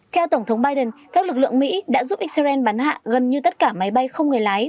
theo tổng thống biden các lực lượng mỹ đã giúp israel bắn hạ gần như tất cả máy bay không người lái